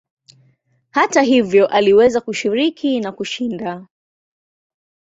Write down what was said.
Hata hivyo aliweza kushiriki na kushinda.